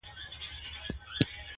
د غار خوله کي تاوېدله ګرځېدله,